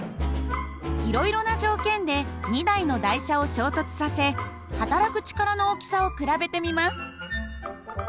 いろいろな条件で２台の台車を衝突させはたらく力の大きさを比べてみます。